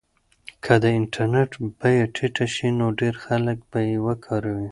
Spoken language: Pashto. که د انټرنیټ بیه ټیټه شي نو ډېر خلک به یې کاروي.